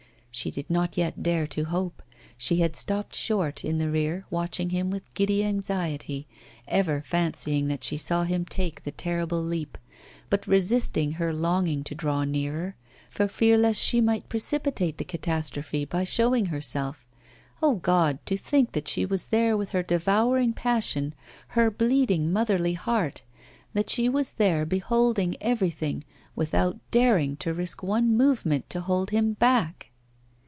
She did not yet dare to hope it; she had stopped short, in the rear, watching him with giddy anxiety, ever fancying that she saw him take the terrible leap, but resisting her longing to draw nearer, for fear lest she might precipitate the catastrophe by showing herself. Oh, God! to think that she was there with her devouring passion, her bleeding motherly heart that she was there beholding everything, without daring to risk one movement to hold him back!